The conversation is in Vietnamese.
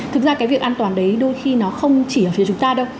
thực ra cái việc an toàn đấy đôi khi nó không chỉ ở phía chúng ta đâu